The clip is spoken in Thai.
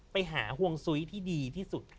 ไปหาห่วงซุ้ยที่ดีที่สุด